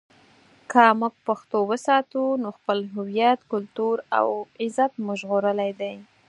که موږ پښتو وساتو، نو خپل هویت، کلتور او عزت مو ژغورلی دی.